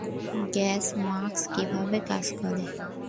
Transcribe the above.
Gas mask কীভাবে কাজ করে?